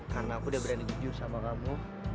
karena aku sudah berani jujur sama kamu